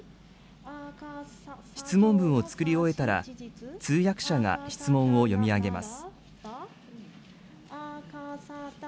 質問文を作り終えたら、通訳者が質問を読み上げます。